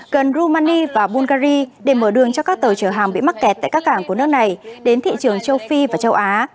gần rumani và bungary để mở đường cho các tàu chở hàng bị mắc kẹt tại các cảng của nước này đến thị trường châu phi và châu á